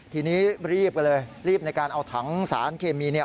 ทีนี้รีบกันเลยรีบในการเอาถังสารเคมีเนี่ย